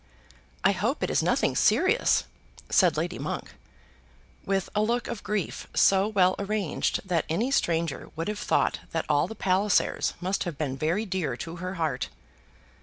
"I hope it is nothing serious," said Lady Monk, with a look of grief so well arranged that any stranger would have thought that all the Pallisers must have been very dear to her heart.